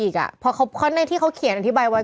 ก็ค่อนข้างจะแรง